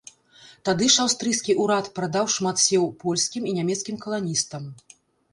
Тады ж аўстрыйскі ўрад прадаў шмат сеў польскім і нямецкім каланістам.